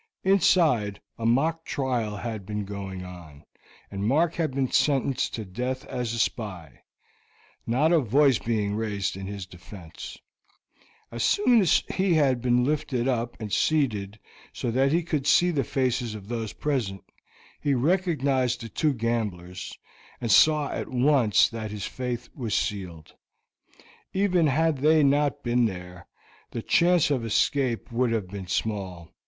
Inside a mock trial had been going on, and Mark had been sentenced to death as a spy, not a voice being raised in his defense. As soon as he had been lifted up and seated so that he could see the faces of those present, he recognized the two gamblers, and saw at once that his fate was sealed; even had they not been there the chance of escape would have been small.